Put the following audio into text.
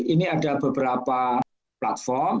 ini ada beberapa platform